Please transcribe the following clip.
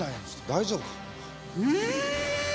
大丈夫か？